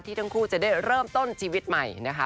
ทั้งคู่จะได้เริ่มต้นชีวิตใหม่นะคะ